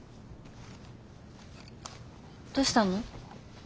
どうしたの？